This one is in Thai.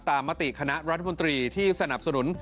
มติคณะรัฐมนตรีที่สนับสนุน